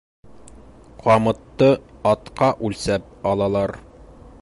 Ҡамытты атҡа үлсәп алалар.